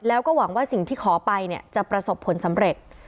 แล้วก็หวังว่าสิ่งที่ขอไปเนี่ยจะประสบผลสำเร็จ